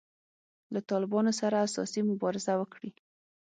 له طالبانو سره اساسي مبارزه وکړي.